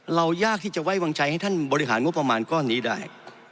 ยากที่จะไว้วางใจให้ท่านบริหารงบประมาณก้อนนี้ได้